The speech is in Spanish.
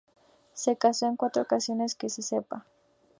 Se casó en cuatro ocasiones, que se sepa.